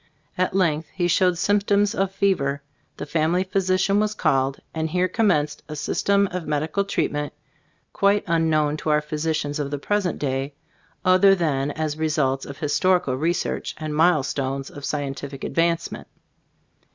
At length he showed symp toms of fever; the family physician was called, and here commenced a system of medical treatment quite un known to our physicians of the pres ent day, other than as results of his torical research and milestones of scientific advancement.